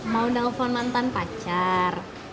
mau nelfon mantan pacar